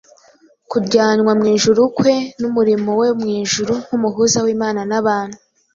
kujyanwa mu ijuru kwe n’umurimo we mu ijuru nk’Umuhuza w’Imana n’abantu